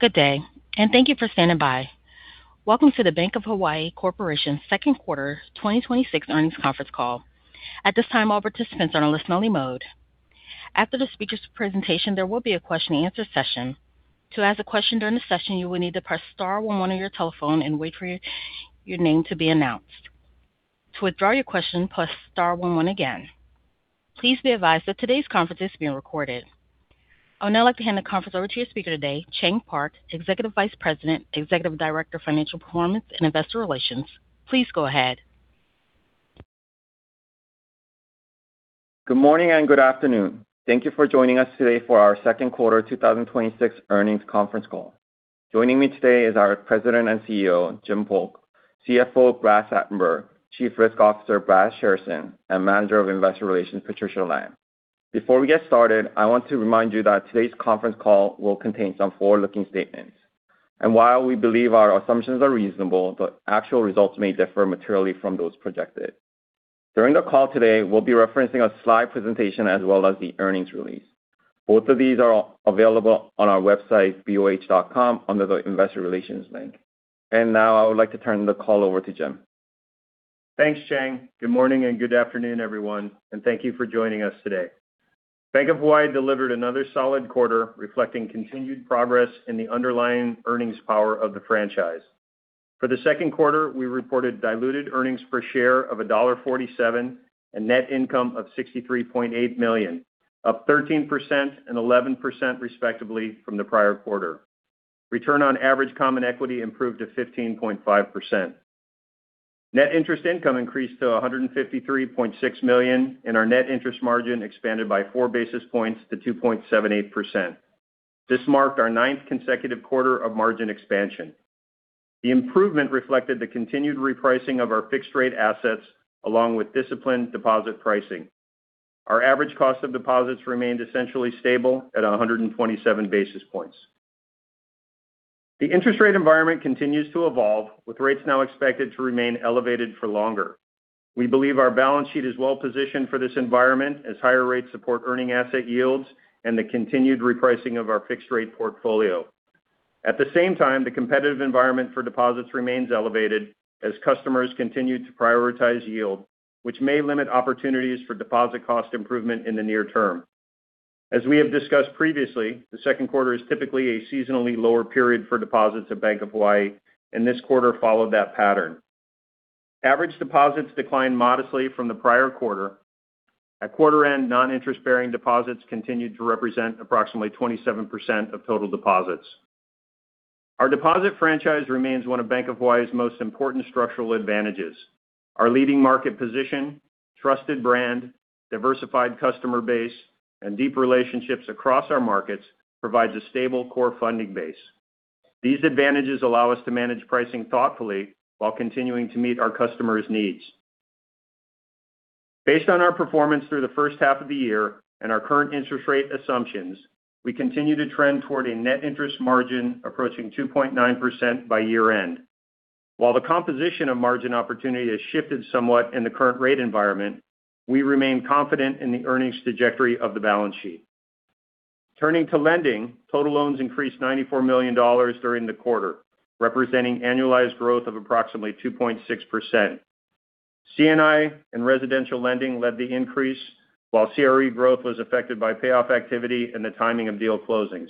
Good day, and thank you for standing by. Welcome to the Bank of Hawaii Corporation Second Quarter 2026 Earnings Conference Call. At this time, all participants are in listen-only mode. After the speakers' presentation, there will be a question and answer session. To ask a question during the session, you will need to press star one one on your telephone and wait for your name to be announced. To withdraw your question, press star one one again. Please be advised that today's conference is being recorded. I would now like to hand the conference over to your speaker today, Chang Park, Executive Vice President, Executive Director of Financial Performance and Investor Relations. Please go ahead. Good morning and good afternoon. Thank you for joining us today for our second quarter 2026 earnings conference call. Joining me today is our President and CEO, Jim Polk, CFO, Brad Satenberg, Chief Risk Officer, Brad Shairson, and Manager of Investor Relations, Patricia Lam. Before we get started, I want to remind you that today's conference call will contain some forward-looking statements. While we believe our assumptions are reasonable, the actual results may differ materially from those projected. During the call today, we will be referencing a slide presentation as well as the earnings release. Both of these are available on our website, boh.com, under the investor relations link. Now I would like to turn the call over to Jim. Thanks, Chang. Good morning and good afternoon, everyone, and thank you for joining us today. Bank of Hawaii delivered another solid quarter reflecting continued progress in the underlying earnings power of the franchise. For the second quarter, we reported diluted earnings per share of $1.47 and net income of $63.8 million, up 13% and 11% respectively from the prior quarter. Return on average common equity improved to 15.5%. Net interest income increased to $153.6 million, and our net interest margin expanded by 4 basis points to 2.78%. This marked our ninth consecutive quarter of margin expansion. The improvement reflected the continued repricing of our fixed rate assets, along with disciplined deposit pricing. Our average cost of deposits remained essentially stable at 127 basis points. The interest rate environment continues to evolve, with rates now expected to remain elevated for longer. We believe our balance sheet is well-positioned for this environment as higher rates support earning asset yields and the continued repricing of our fixed rate portfolio. At the same time, the competitive environment for deposits remains elevated as customers continue to prioritize yield, which may limit opportunities for deposit cost improvement in the near term. As we have discussed previously, the second quarter is typically a seasonally lower period for deposits at Bank of Hawaii, and this quarter followed that pattern. Average deposits declined modestly from the prior quarter. At quarter end, non-interest-bearing deposits continued to represent approximately 27% of total deposits. Our deposit franchise remains one of Bank of Hawaii's most important structural advantages. Our leading market position, trusted brand, diversified customer base, and deep relationships across our markets provides a stable core funding base. These advantages allow us to manage pricing thoughtfully while continuing to meet our customers' needs. Based on our performance through the first half of the year and our current interest rate assumptions, we continue to trend toward a net interest margin approaching 2.9% by year end. While the composition of margin opportunity has shifted somewhat in the current rate environment, we remain confident in the earnings trajectory of the balance sheet. Turning to lending, total loans increased $94 million during the quarter, representing annualized growth of approximately 2.6%. C&I and residential lending led the increase, while CRE growth was affected by payoff activity and the timing of deal closings.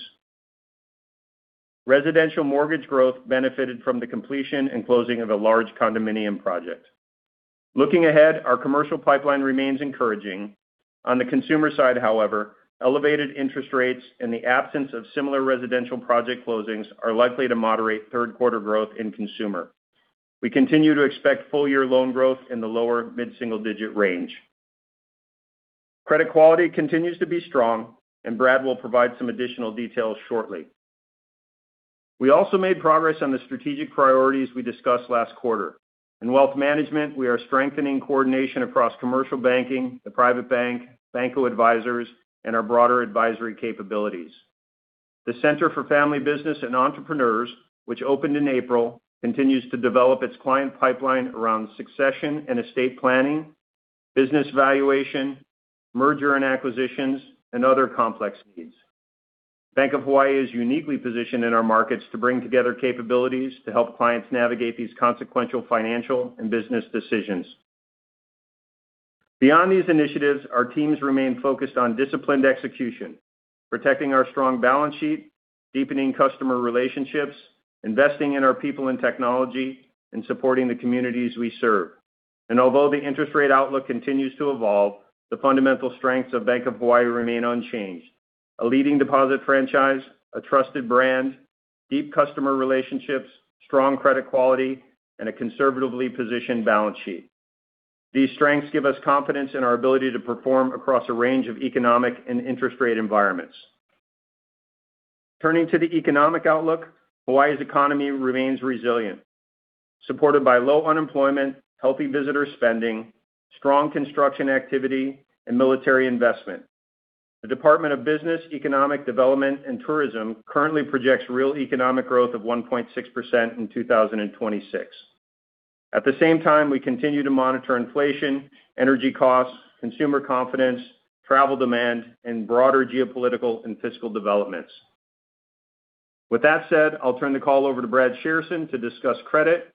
Residential mortgage growth benefited from the completion and closing of a large condominium project. Looking ahead, our commercial pipeline remains encouraging. On the consumer side, however, elevated interest rates and the absence of similar residential project closings are likely to moderate third quarter growth in consumer. We continue to expect full year loan growth in the lower mid-single digit range. Credit quality continues to be strong, and Brad will provide some additional details shortly. We also made progress on the strategic priorities we discussed last quarter. In wealth management, we are strengthening coordination across Commercial banking, The Private Bank, Bankoh Advisors, and our broader advisory capabilities. The Center for Family Business & Entrepreneurs, which opened in April, continues to develop its client pipeline around succession and estate planning, business valuation, merger and acquisitions, and other complex needs. Bank of Hawaii is uniquely positioned in our markets to bring together capabilities to help clients navigate these consequential financial and business decisions. Beyond these initiatives, our teams remain focused on disciplined execution, protecting our strong balance sheet, deepening customer relationships, investing in our people and technology, and supporting the communities we serve. Although the interest rate outlook continues to evolve, the fundamental strengths of Bank of Hawaii remain unchanged. A leading deposit franchise, a trusted brand, deep customer relationships, strong credit quality, and a conservatively positioned balance sheet. These strengths give us confidence in our ability to perform across a range of economic and interest rate environments. Turning to the economic outlook, Hawaii's economy remains resilient, supported by low unemployment, healthy visitor spending, strong construction activity, and military investment. The Department of Business, Economic Development & Tourism currently projects real economic growth of 1.6% in 2026. At the same time, we continue to monitor inflation, energy costs, consumer confidence, travel demand, and broader geopolitical and fiscal developments. With that said, I'll turn the call over to Brad Shairson to discuss credit.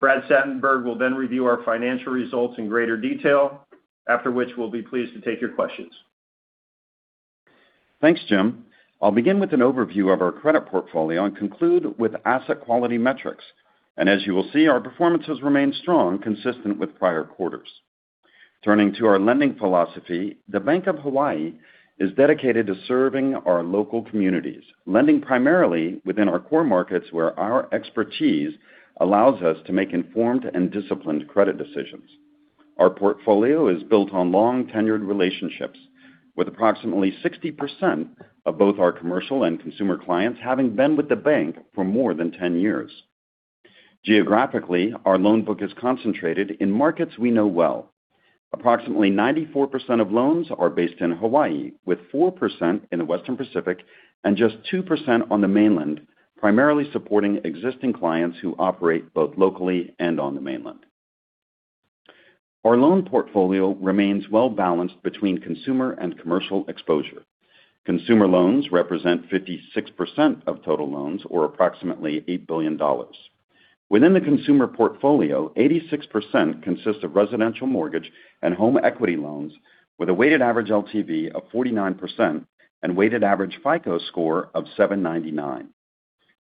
Brad Satenberg will then review our financial results in greater detail, after which we'll be pleased to take your questions. Thanks, Jim. I'll begin with an overview of our credit portfolio and conclude with asset quality metrics. As you will see, our performance has remained strong, consistent with prior quarters. Turning to our lending philosophy, the Bank of Hawaii is dedicated to serving our local communities, lending primarily within our core markets, where our expertise allows us to make informed and disciplined credit decisions. Our portfolio is built on long tenured relationships with approximately 60% of both our commercial and consumer clients having been with the bank for more than 10 years. Geographically, our loan book is concentrated in markets we know well. Approximately 94% of loans are based in Hawaii, with 4% in the Western Pacific and just 2% on the mainland, primarily supporting existing clients who operate both locally and on the mainland. Our loan portfolio remains well-balanced between consumer and commercial exposure. Consumer loans represent 56% of total loans, or approximately $8 billion. Within the consumer portfolio, 86% consists of residential mortgage and home equity loans, with a weighted average LTV of 49% and weighted average FICO score of 799.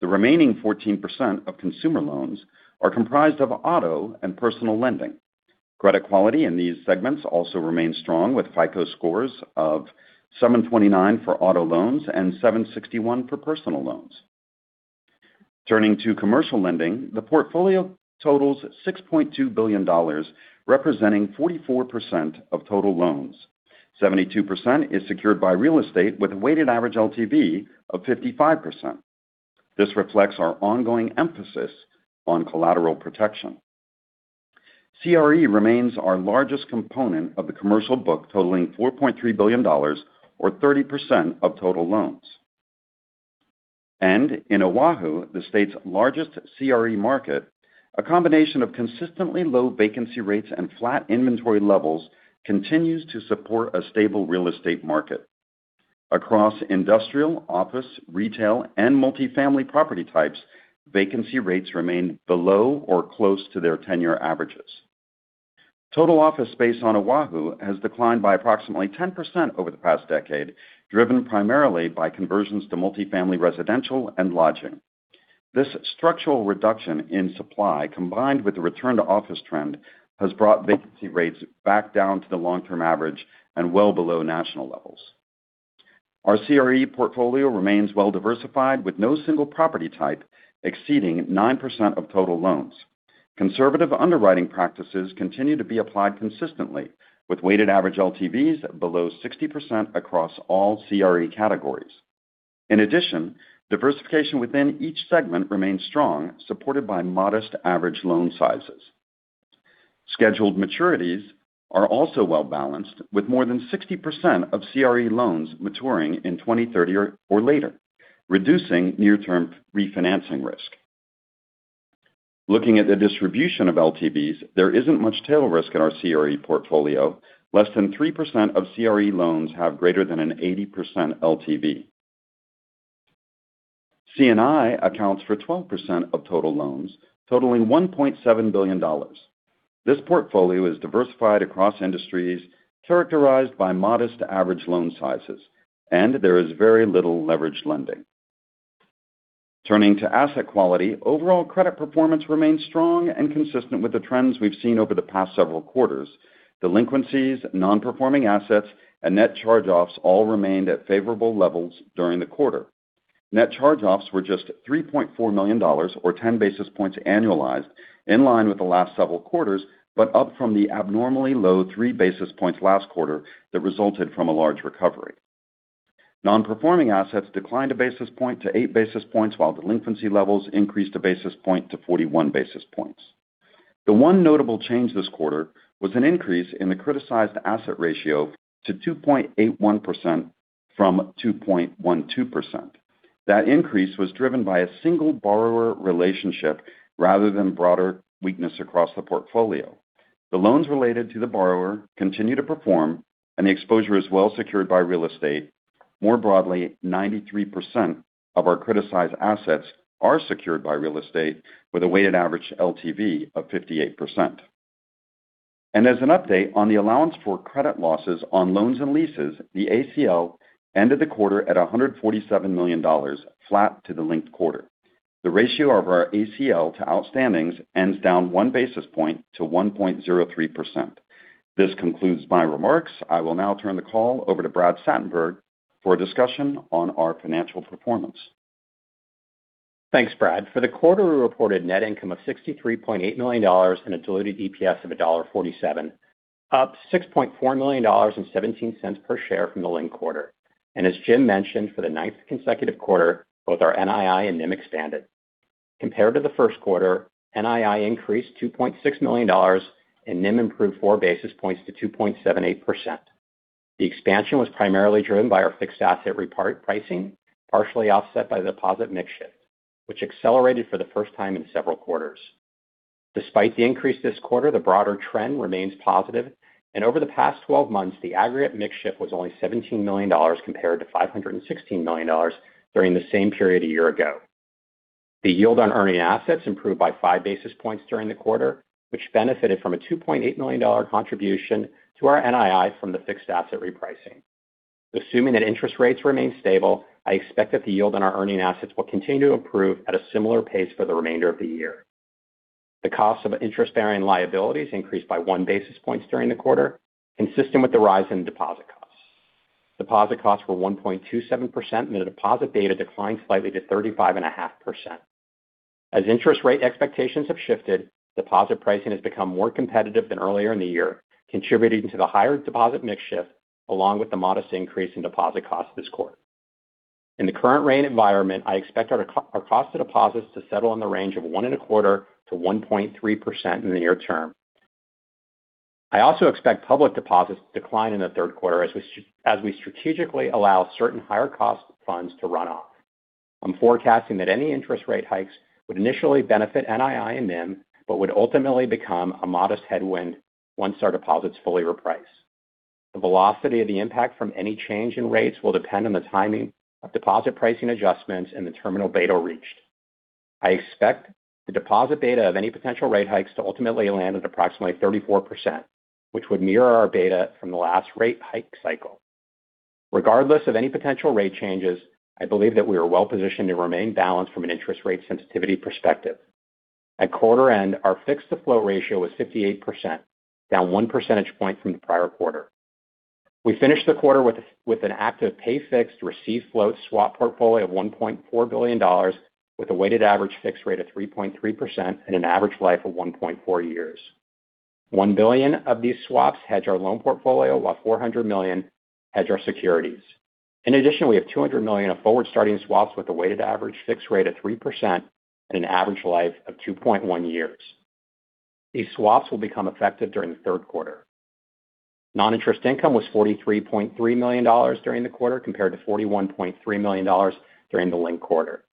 The remaining 14% of consumer loans are comprised of auto and personal lending. Credit quality in these segments also remains strong, with FICO scores of 729 for auto loans and 761 for personal loans. Turning to commercial lending, the portfolio totals $6.2 billion, representing 44% of total loans. 72% is secured by real estate with a weighted average LTV of 55%. This reflects our ongoing emphasis on collateral protection. CRE remains our largest component of the commercial book, totaling $4.3 billion, or 30% of total loans. In Oahu, the state's largest CRE market, a combination of consistently low vacancy rates and flat inventory levels continues to support a stable real estate market. Across industrial, office, retail, and multifamily property types, vacancy rates remain below or close to their tenure averages. Total office space on Oahu has declined by approximately 10% over the past decade, driven primarily by conversions to multifamily residential and lodging. This structural reduction in supply, combined with the return to office trend, has brought vacancy rates back down to the long-term average and well below national levels. Our CRE portfolio remains well-diversified, with no single property type exceeding nine percent of total loans. Conservative underwriting practices continue to be applied consistently with weighted average LTVs below 60% across all CRE categories. In addition, diversification within each segment remains strong, supported by modest average loan sizes. Scheduled maturities are also well-balanced, with more than 60% of CRE loans maturing in 2030 or later, reducing near-term refinancing risk. Looking at the distribution of LTVs, there isn't much tail risk in our CRE portfolio. Less than 3% of CRE loans have greater than an 80% LTV. C&I accounts for 12% of total loans, totaling $1.7 billion. This portfolio is diversified across industries characterized by modest average loan sizes, and there is very little leveraged lending. Turning to asset quality, overall credit performance remains strong and consistent with the trends we've seen over the past several quarters. Delinquencies, non-performing assets, and net charge-offs all remained at favorable levels during the quarter. Net charge-offs were just $3.4 million, or 10 basis points annualized, in line with the last several quarters, but up from the abnormally low 3 basis points last quarter that resulted from a large recovery. Non-performing assets declined 1 basis point to 8 basis points, while delinquency levels increased 1 basis point to 41 basis points. The one notable change this quarter was an increase in the criticized asset ratio to 2.81% from 2.12%. That increase was driven by a single borrower relationship rather than broader weakness across the portfolio. The loans related to the borrower continue to perform, and the exposure is well secured by real estate. More broadly, 93% of our criticized assets are secured by real estate with a weighted average LTV of 58%. As an update on the allowance for credit losses on loans and leases, the ACL ended the quarter at $147 million, flat to the linked quarter. The ratio of our ACL to outstandings ends down 1 basis point to 1.03%. This concludes my remarks. I will now turn the call over to Brad Satenberg for a discussion on our financial performance. Thanks, Brad. For the quarter, we reported net income of $63.8 million and a diluted EPS of $1.47, up $6.4 million and $0.17 per share from the linked quarter. As Jim mentioned, for the ninth consecutive quarter, both our NII and NIM expanded. Compared to the first quarter, NII increased $2.6 million and NIM improved 4 basis points to 2.78%. The expansion was primarily driven by our fixed asset repricing, partially offset by deposit mix shift, which accelerated for the first time in several quarters. Despite the increase this quarter, the broader trend remains positive. Over the past 12 months, the aggregate mix shift was only $17 million compared to $516 million during the same period a year ago. The yield on earning assets improved by 5 basis points during the quarter, which benefited from a $2.8 million contribution to our NII from the fixed asset repricing. Assuming that interest rates remain stable, I expect that the yield on our earning assets will continue to improve at a similar pace for the remainder of the year. The cost of interest-bearing liabilities increased by 1 basis point during the quarter, consistent with the rise in deposit costs. Deposit costs were 1.27%. The deposit beta declined slightly to 35.5%. As interest rate expectations have shifted, deposit pricing has become more competitive than earlier in the year, contributing to the higher deposit mix shift along with the modest increase in deposit costs this quarter. In the current rate environment, I expect our cost of deposits to settle in the range of 1.25%-1.3% in the near term. I also expect public deposits to decline in the third quarter as we strategically allow certain higher cost funds to run off. I'm forecasting that any interest rate hikes would initially benefit NII and NIM but would ultimately become a modest headwind once our deposits fully reprice. The velocity of the impact from any change in rates will depend on the timing of deposit pricing adjustments and the terminal beta reached. I expect the deposit beta of any potential rate hikes to ultimately land at approximately 34%, which would mirror our beta from the last rate hike cycle. Regardless of any potential rate changes, I believe that we are well positioned to remain balanced from an interest rate sensitivity perspective. At quarter end, our fix-to-float ratio was 58%, down one percentage point from the prior quarter. We finished the quarter with an active pay fixed receive float swap portfolio of $1.4 billion, with a weighted average fixed rate of 3.3% and an average life of 1.4 years. $1 billion of these swaps hedge our loan portfolio, while $400 million hedge our securities. In addition, we have $200 million of forward-starting swaps with a weighted average fixed rate of 3% and an average life of 2.1 years. These swaps will become effective during the third quarter. Non-interest income was $43.3 million during the quarter, compared to $41.3 million during the linked quarter.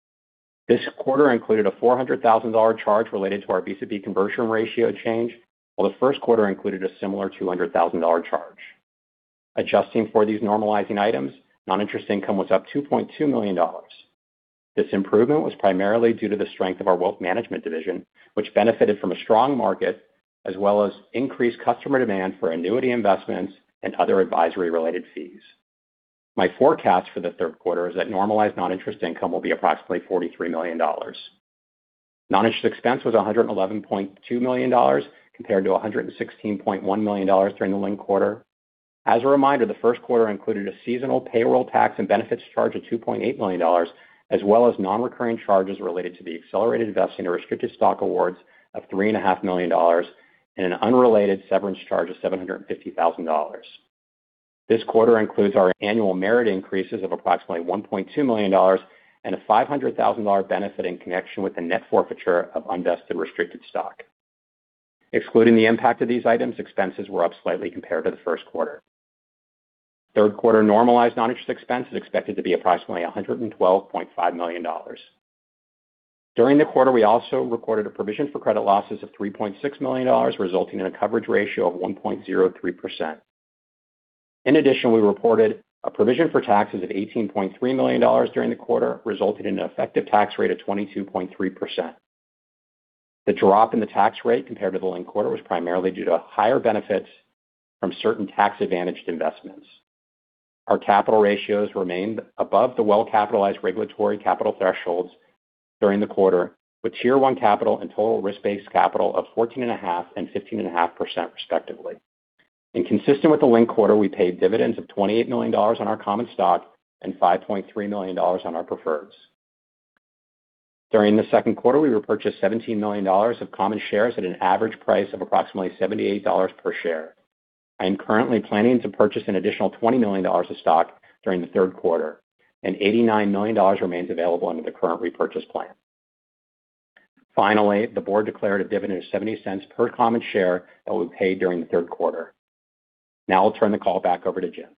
This quarter included a $400,000 charge related to our Visa Class B conversion ratio change, while the first quarter included a similar $200,000 charge. Adjusting for these normalizing items, non-interest income was up $2.2 million. This improvement was primarily due to the strength of our wealth management division, which benefited from a strong market, as well as increased customer demand for annuity investments and other advisory-related fees. My forecast for the third quarter is that normalized non-interest income will be approximately $43 million. Non-interest expense was $111.2 million, compared to $116.1 million during the linked quarter. As a reminder, the first quarter included a seasonal payroll tax and benefits charge of $2.8 million, as well as non-recurring charges related to the accelerated vesting of restricted stock awards of $3.5 million and an unrelated severance charge of $750,000. This quarter includes our annual merit increases of approximately $1.2 million and a $500,000 benefit in connection with the net forfeiture of unvested restricted stock. Excluding the impact of these items, expenses were up slightly compared to the first quarter. Third quarter normalized non-interest expense is expected to be approximately $112.5 million. During the quarter, we also recorded a provision for credit losses of $3.6 million, resulting in a coverage ratio of 1.03%. In addition, we reported a provision for taxes of $18.3 million during the quarter, resulting in an effective tax rate of 22.3%. The drop in the tax rate compared to the linked quarter was primarily due to higher benefits from certain tax-advantaged investments. Our capital ratios remained above the well-capitalized regulatory capital thresholds during the quarter, with Tier 1 capital and total risk-based capital of 14.5% and 15.5%, respectively. Consistent with the linked quarter, we paid dividends of $28 million on our common stock and $5.3 million on our preferreds. During the second quarter, we repurchased $17 million of common shares at an average price of approximately $78 per share. I am currently planning to purchase an additional $20 million of stock during the third quarter, and $89 million remains available under the current repurchase plan. Finally, the Board declared a dividend of $0.70 per common share that will be paid during the third quarter. Now I'll turn the call back over to Jim.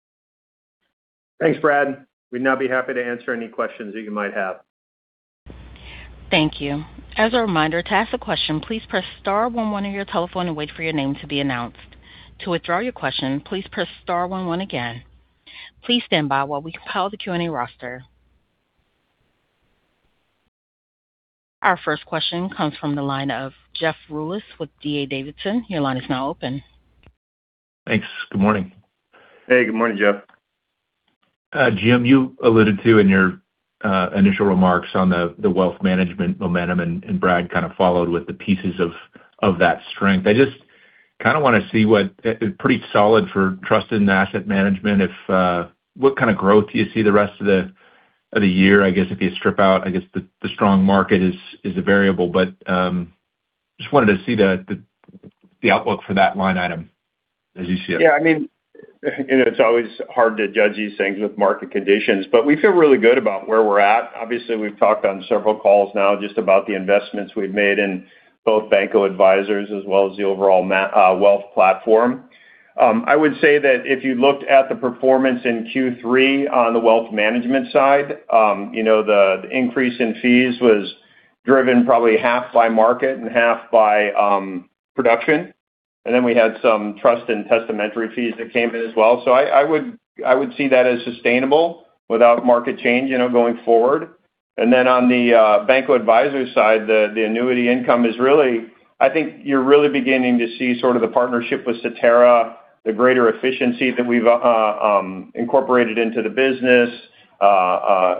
Thanks, Brad. We'd now be happy to answer any questions that you might have. Thank you. As a reminder, to ask a question, please press star one one on your telephone and wait for your name to be announced. To withdraw your question, please press star one one again. Please stand by while we compile the Q&A roster. Our first question comes from the line of Jeff Rulis with D.A. Davidson. Your line is now open. Thanks. Good morning. Hey, good morning, Jeff. Jim, you alluded to in your initial remarks on the wealth management momentum. Brad kind of followed with the pieces of that strength. Pretty solid for trust in asset management. What kind of growth do you see the rest of the year, I guess, if you strip out, I guess, the strong market is a variable. Just wanted to see the outlook for that line item as you see it. Yeah. It's always hard to judge these things with market conditions, but we feel really good about where we're at. Obviously, we've talked on several calls now just about the investments we've made in both Bankoh Advisors as well as the overall wealth platform. I would say that if you looked at the performance in Q3 on the wealth management side, the increase in fees was driven probably half by market and half by production. We had some trust and testamentary fees that came in as well. I would see that as sustainable without market change going forward. On the Bankoh Advisor side, I think you're really beginning to see sort of the partnership with Cetera, the greater efficiency that we've incorporated into the business,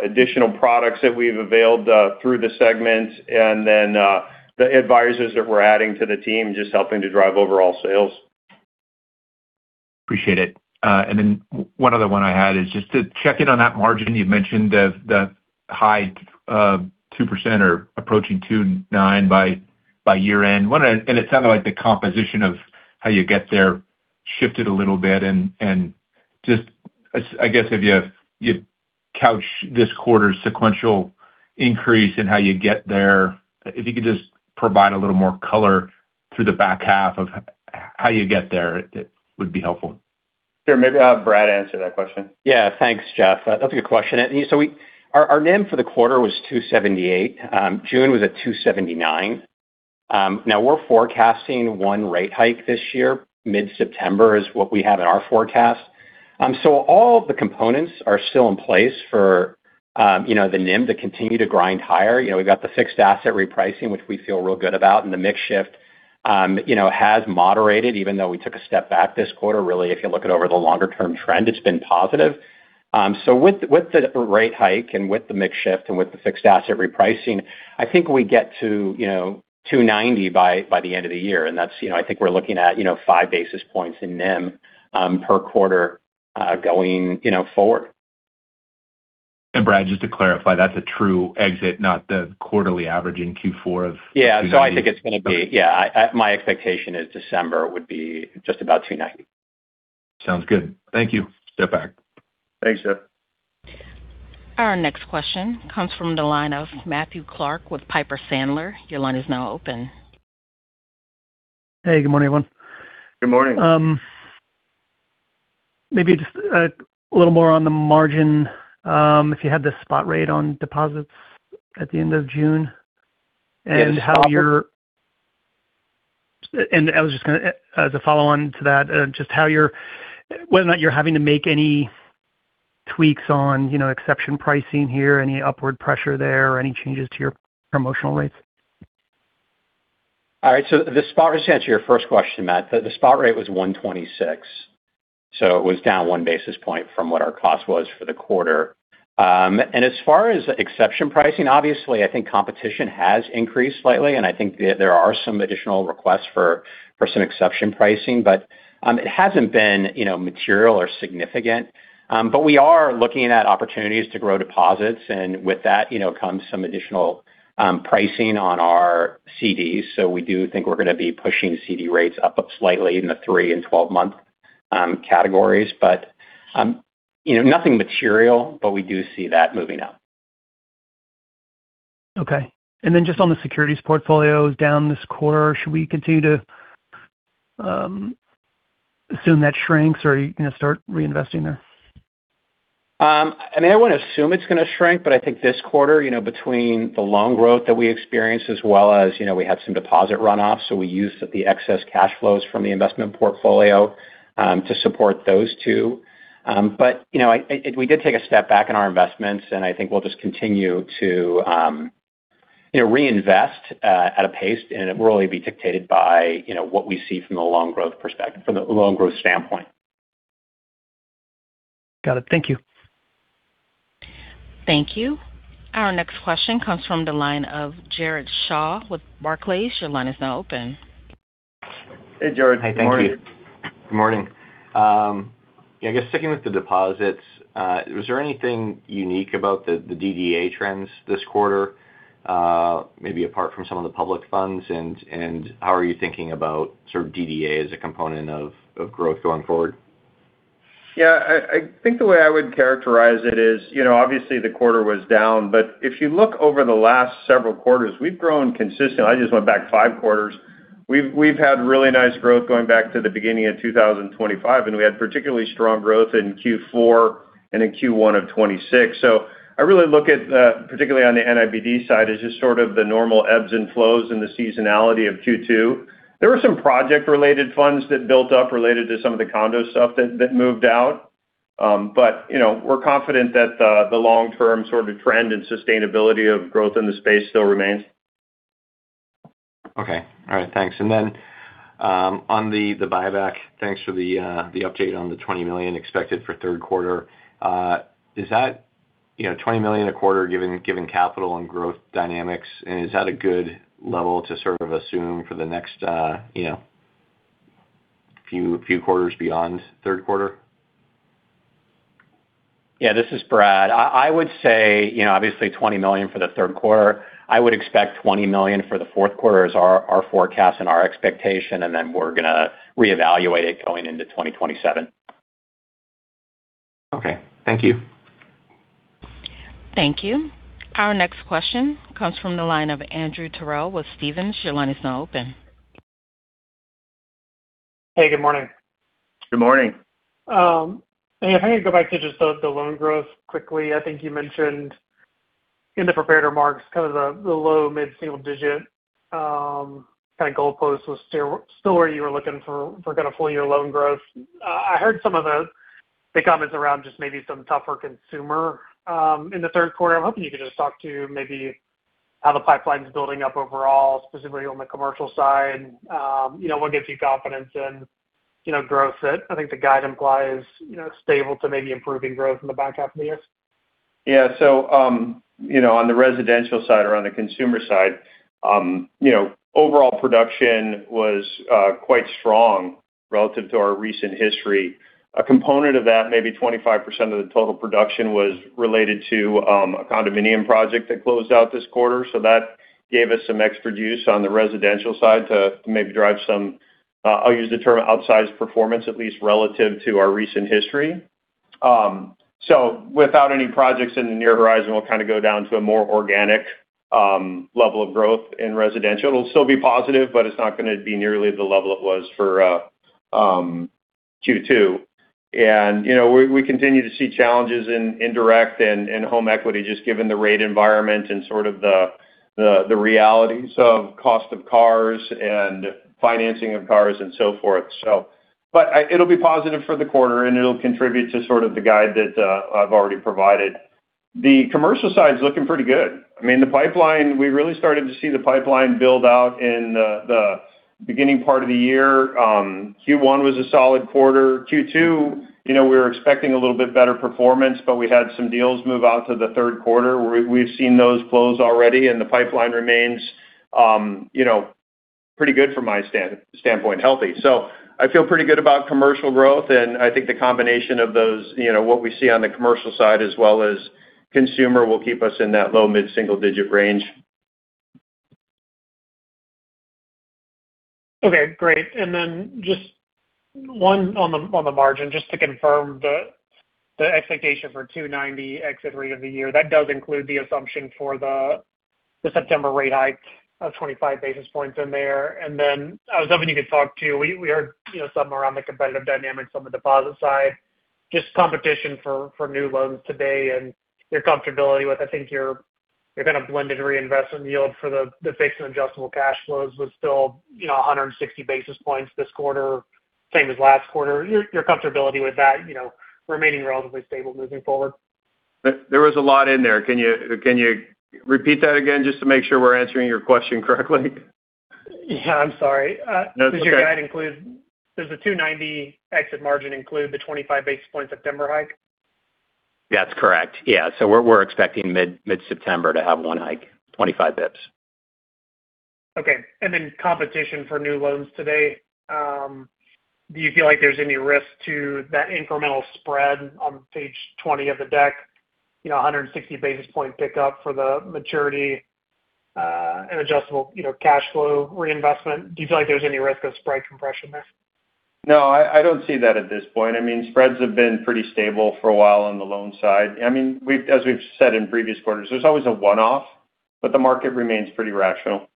additional products that we've availed through the segment, the advisors that we're adding to the team just helping to drive overall sales. Appreciate it. One other one I had is just to check in on that margin you mentioned of the high 2% or approaching 2.9% by year-end. It sounded like the composition of how you get there shifted a little bit and just, I guess if you couch this quarter's sequential increase in how you get there, if you could just provide a little more color through the back half of how you get there, that would be helpful. Sure. Maybe I'll have Brad answer that question. Thanks, Jeff. That's a good question. Our NIM for the quarter was 278. June was at 279. Now we're forecasting one rate hike this year. Mid-September is what we have in our forecast. All the components are still in place for the NIM to continue to grind higher. We've got the fixed asset repricing, which we feel real good about, and the mix shift has moderated, even though we took a step back this quarter. Really, if you look at over the longer term trend, it's been positive. With the rate hike and with the mix shift and with the fixed asset repricing, I think we get to 290 by the end of the year. That's, I think we're looking at 5 basis points in NIM per quarter going forward. Brad, just to clarify, that's a true exit, not the quarterly average in Q4. My expectation is December would be just about 290. Sounds good. Thank you. Step back. Thanks, Jeff. Our next question comes from the line of Matthew Clark with Piper Sandler. Your line is now open. Hey, good morning, everyone. Good morning. Maybe just a little more on the margin. If you had the spot rate on deposits at the end of June and how you're Yes. I was just, as a follow-on to that, just whether or not you're having to make any tweaks on exception pricing here, any upward pressure there, or any changes to your promotional rates. All right. Just to answer your first question, Matt, the spot rate was 126, so it was down 1 basis point from what our cost was for the quarter. As far as exception pricing, obviously, I think competition has increased slightly, and I think there are some additional requests for some exception pricing, but it hasn't been material or significant. We are looking at opportunities to grow deposits, and with that comes some additional pricing on our CDs. We do think we're going to be pushing CD rates up slightly in the three and 12-month categories. Nothing material, but we do see that moving up. Okay. Just on the securities portfolio down this quarter, should we continue to assume that shrinks, or are you going to start reinvesting there? I wouldn't assume it's going to shrink. I think this quarter, between the loan growth that we experienced as well as we had some deposit runoff, so we used the excess cash flows from the investment portfolio to support those two. We did take a step back in our investments, and I think we'll just continue to reinvest at a pace, and it will really be dictated by what we see from the loan growth standpoint. Got it. Thank you. Thank you. Our next question comes from the line of Jared Shaw with Barclays. Your line is now open. Hey, Jared. Good morning. Hi. Thank you. Good morning. Yeah, I guess sticking with the deposits, was there anything unique about the DDA trends this quarter, maybe apart from some of the public funds? How are you thinking about sort of DDA as a component of growth going forward? Yeah. I think the way I would characterize it is obviously the quarter was down, but if you look over the last several quarters, we've grown consistently. I just went back five quarters. We've had really nice growth going back to the beginning of 2025, and we had particularly strong growth in Q4 and in Q1 of 2026. I really look at, particularly on the NIBD side, as just sort of the normal ebbs and flows and the seasonality of Q2. There were some project-related funds that built up related to some of the condo stuff that moved out. We're confident that the long-term sort of trend and sustainability of growth in the space still remains. Okay. All right. Thanks. Then, on the buyback, thanks for the update on the $20 million expected for the third quarter. Is that $20 million a quarter given capital and growth dynamics, and is that a good level to sort of assume for the next few quarters beyond the third quarter? This is Brad. I would say, obviously, $20 million for the third quarter. I would expect $20 million for the fourth quarter as our forecast and our expectation, and then we're going to reevaluate it going into 2027. Thank you. Thank you. Our next question comes from the line of Andrew Terrell with Stephens. Your line is now open. Hey, good morning. Good morning. Hey, if I could go back to just the loan growth quickly. I think you mentioned in the prepared remarks kind of the low-mid single-digit kind of goalpost was still where you were looking for kind of full year loan growth. I heard some of the comments around just maybe some tougher consumer in the third quarter. I am hoping you could just talk to maybe how the pipeline's building up overall, specifically on the commercial side. What gives you confidence in growth fit? I think the guide implies stable to maybe improving growth in the back half of the year. Yeah. On the residential side or on the consumer side, overall production was quite strong relative to our recent history. A component of that, maybe 25% of the total production, was related to a condominium project that closed out this quarter. That gave us some extra juice on the residential side to maybe drive some, I'll use the term outsized performance, at least relative to our recent history. Without any projects in the near horizon, we'll kind of go down to a more organic level of growth in residential. It'll still be positive, but it's not going to be nearly the level it was for Q2. We continue to see challenges in indirect and home equity, just given the rate environment and sort of the realities of cost of cars and financing of cars and so forth. It'll be positive for the quarter, and it'll contribute to sort of the guide that I've already provided. The commercial side's looking pretty good. We really started to see the pipeline build out in the beginning part of the year. Q1 was a solid quarter. Q2, we were expecting a little bit better performance, but we had some deals move out to the third quarter. We've seen those close already, the pipeline remains pretty good from my standpoint. Healthy. I feel pretty good about commercial growth, and I think the combination of what we see on the commercial side as well as consumer will keep us in that low-mid single-digit range. Okay, great. Just one on the margin, just to confirm the expectation for 290 exit rate of the year. That does include the assumption for the September rate hike of 25 basis points in there. I was hoping you could talk to, we heard some around the competitive dynamics on the deposit side, just competition for new loans today and your comfortability with, I think your kind of blended reinvestment yield for the fixed and adjustable cash flows was still 160 basis points this quarter, same as last quarter. Your comfortability with that remaining relatively stable moving forward. There was a lot in there. Can you repeat that again just to make sure we're answering your question correctly? Yeah, I'm sorry. No, that's okay. Does your guide include the 290 exit margin include the 25 basis point September hike? That's correct. Yeah. We're expecting mid-September to have one hike, 25 basis points. Okay. Competition for new loans today. Do you feel like there's any risk to that incremental spread on page 20 of the deck, 160 basis point pickup for the maturity and adjustable cash flow reinvestment? Do you feel like there's any risk of spread compression there? No, I don't see that at this point. Spreads have been pretty stable for a while on the loan side. As we've said in previous quarters, there's always a one-off, but the market remains pretty rational.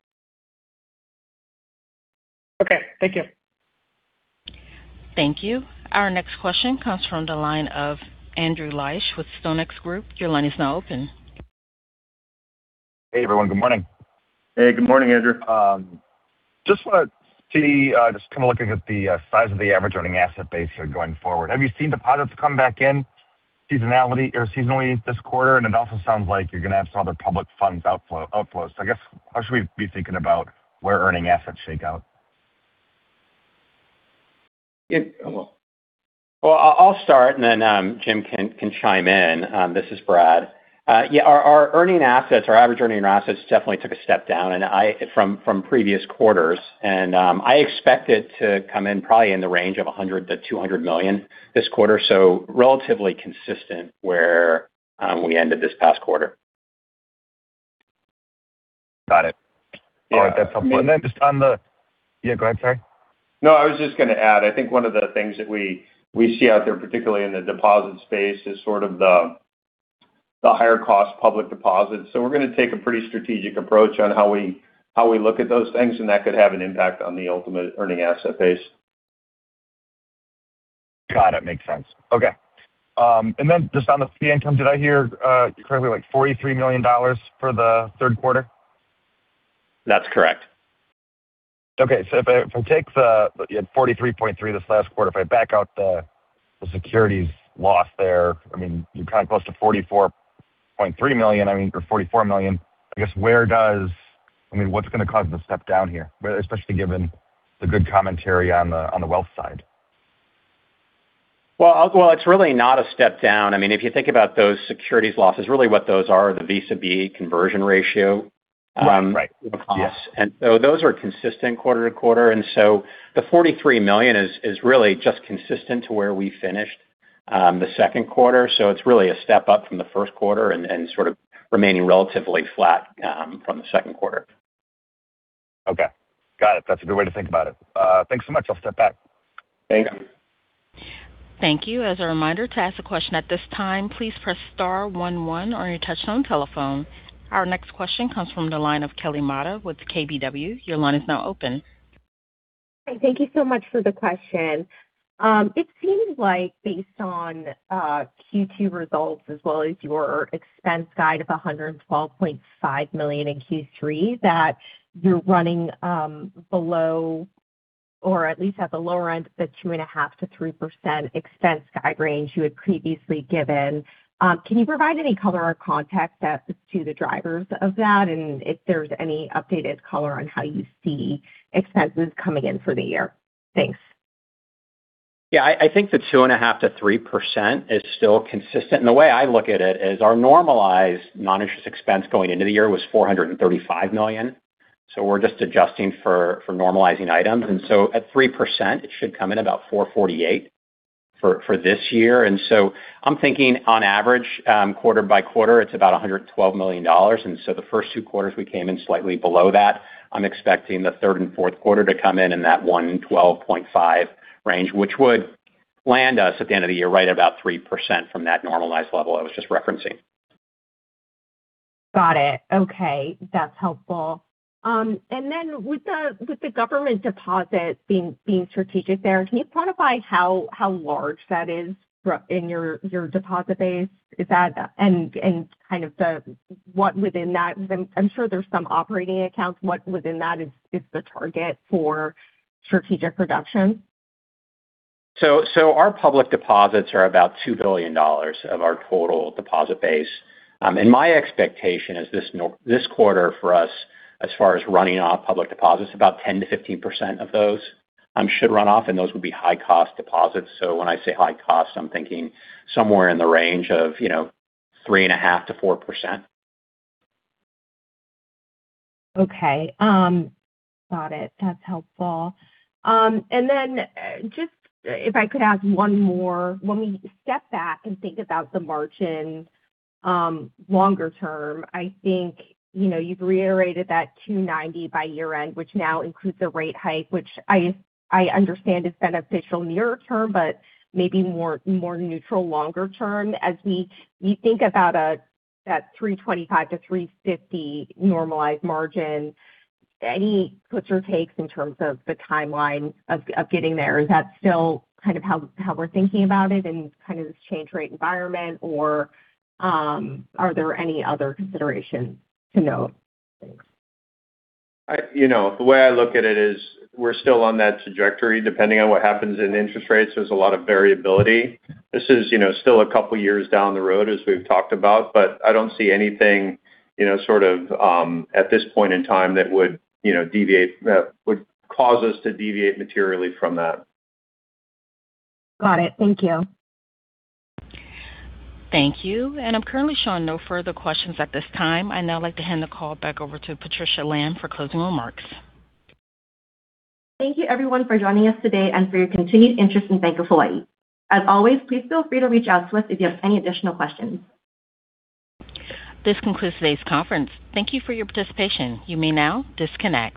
Okay. Thank you. Thank you. Our next question comes from the line of Andrew Liesch with StoneX Group. Your line is now open. Hey, everyone. Good morning. Hey, good morning, Andrew. Just want to see, just kind of looking at the size of the average earning asset base here going forward. Have you seen deposits come back in seasonally this quarter? It also sounds like you're going to have some other public funds outflows. I guess, how should we be thinking about where earning assets shake out? I'll start and then Jim can chime in. This is Brad. Yeah, our average earning assets definitely took a step down from previous quarters. I expect it to come in probably in the range of $100 million-$200 million this quarter. Relatively consistent where we ended this past quarter. Got it. All right. That's helpful. Then just on the Yeah, go ahead, sorry. I was just going to add, I think one of the things that we see out there, particularly in the deposit space, is sort of the higher cost public deposits. We're going to take a pretty strategic approach on how we look at those things, and that could have an impact on the ultimate earning asset base. Got it. Makes sense. Okay. Just on the fee income, did I hear correctly, like $43 million for the third quarter? That's correct. Okay. If I take the $43.3 this last quarter, if I back out the securities loss there, you're kind of close to $44.3 million, I mean, or $44 million. I guess, what's going to cause the step down here, especially given the good commentary on the wealth side? Well, it's really not a step down. If you think about those securities losses, really what those are are the Visa conversion ratio. Right. Yes. Those are consistent quarter to quarter. The $43 million is really just consistent to where we finished the second quarter. It's really a step up from the first quarter and sort of remaining relatively flat from the second quarter. Okay. Got it. That's a good way to think about it. Thanks so much. I'll step back. Thank you. Thank you. As a reminder, to ask a question at this time, please press star one one on your touchtone telephone. Our next question comes from the line of Kelly Motta with KBW. Your line is now open. Hi. Thank you so much for the question. It seems like based on Q2 results as well as your expense guide of $112.5 million in Q3, that you're running below or at least at the lower end of the 2.5%-3% expense guide range you had previously given. Can you provide any color or context as to the drivers of that? If there's any updated color on how you see expenses coming in for the year. Thanks. Yeah. I think the 2.5%-3% is still consistent. The way I look at it is our normalized non-interest expense going into the year was $435 million. We're just adjusting for normalizing items. At 3%, it should come in about $448 million for this year. I'm thinking on average, quarter by quarter, it's about $112 million. The first two quarters we came in slightly below that. I'm expecting the third and fourth quarter to come in in that $112.5 range, which would land us at the end of the year right about 3% from that normalized level I was just referencing. Got it. Okay. That's helpful. With the government deposits being strategic there, can you quantify how large that is in your deposit base? What within that-- Because I'm sure there's some operating accounts. What within that is the target for strategic reduction? Our public deposits are about $2 billion of our total deposit base. My expectation is this quarter for us, as far as running off public deposits, about 10%-15% of those should run off, and those would be high-cost deposits. When I say high cost, I'm thinking somewhere in the range of 3.5%-4%. Okay. Got it. That's helpful. Just if I could ask one more. When we step back and think about the margin longer term, I think you've reiterated that 2.90% by year-end, which now includes the rate hike, which I understand is beneficial near term, but maybe more neutral longer term. As we think about that 3.25%-3.50% normalized margin, any twists or takes in terms of the timeline of getting there? Is that still kind of how we're thinking about it in kind of this change rate environment, or are there any other considerations to note? Thanks. The way I look at it is we're still on that trajectory depending on what happens in interest rates. There's a lot of variability. This is still a couple of years down the road as we've talked about, but I don't see anything sort of at this point in time that would cause us to deviate materially from that. Got it. Thank you. Thank you. I'm currently showing no further questions at this time. I'd now like to hand the call back over to Patricia Lam for closing remarks. Thank you, everyone, for joining us today and for your continued interest in Bank of Hawaii. As always, please feel free to reach out to us if you have any additional questions. This concludes today's conference. Thank you for your participation. You may now disconnect.